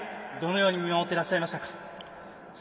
どのように見守っていらっしゃいましたか？